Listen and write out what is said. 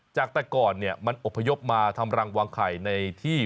จากแต่ก่อนเนี่ยมันอบพยพมาทำรังวางไข่ในที่